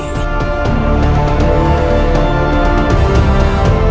aku tidak akan menjaga raka kian santang